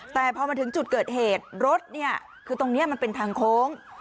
แต่พอมาถึงจุดเกิดเหตุรถเนี่ยคือตรงนี้มันเป็นทางโค้ง